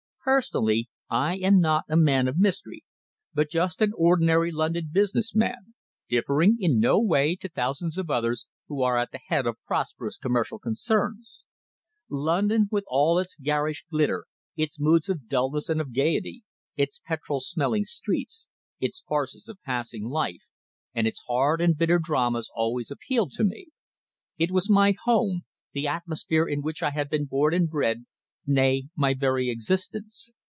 Personally, I am not a man of mystery, but just an ordinary London business man, differing in no way to thousands of others who are at the head of prosperous commercial concerns. London with all its garish glitter, its moods of dulness and of gaiety, its petrol smelling streets, its farces of passing life, and its hard and bitter dramas always appealed to me. It was my home, the atmosphere in which I had been born and bred, nay, my very existence.